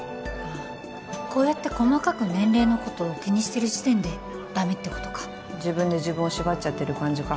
あこうやって細かく年齢のことを気にしてる時点でダメってことか自分で自分をしばっちゃってる感じか